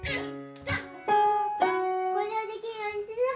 これをできるようにするのが。